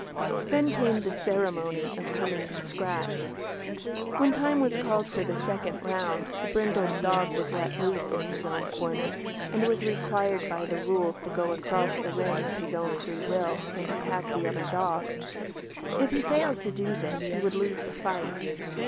Then came the ceremony of "coming to scratch". When time was called for the second round the brindled dog was let loose in his own corner, and was required by the rules to go across the ring of his own free will and attack the other dog. If he failed to do this he would lose the fight.